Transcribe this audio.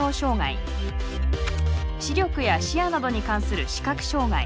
視力や視野などに関する視覚障害。